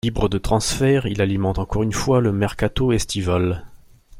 Libre de transfert, il alimente encore une fois le mercato estival.